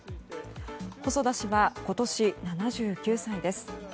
細田氏は今年７９歳です。